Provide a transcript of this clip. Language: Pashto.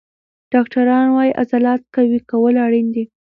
ډاکټران وایي عضلات قوي کول اړین دي.